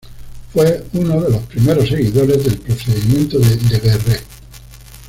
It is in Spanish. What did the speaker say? Fue uno de los primeros seguidores del procedimiento de Daguerre.